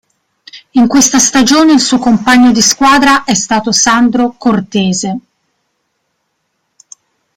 In questa stagione il suo compagno di squadra è stato Sandro Cortese.